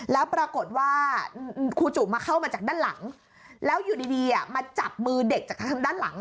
แล้วปรากฏว่าครูจุมาเข้ามาจากด้านหลังแล้วอยู่ดีมาจับมือเด็กจากทางด้านหลัง